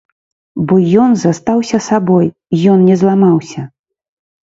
Бо ён застаўся сабой, ён не зламаўся.